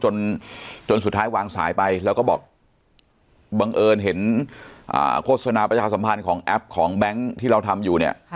จนจนสุดท้ายวางสายไปแล้วก็บอกบังเอิญเห็นโฆษณาประชาสัมพันธ์ของแอปของแบงค์ที่เราทำอยู่เนี่ย